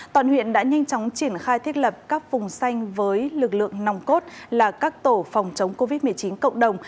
toàn huyện đã nhanh chóng triển khai thiết lập các vùng xanh với lực lượng nòng cốt là các tổ phòng chống covid một mươi chín cộng đồng